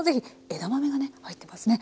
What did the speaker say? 枝豆がね入ってますね。